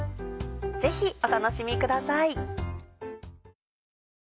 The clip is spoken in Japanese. ぜひお楽しみください。